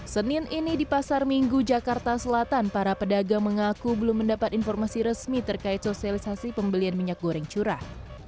senin ini di pasar minggu jakarta selatan para pedagang mengaku belum mendapat informasi resmi terkait sosialisasi pembelian minyak goreng curah